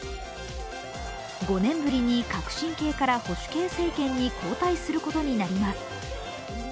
５年ぶりに革新系から保守系政権に交代することになります。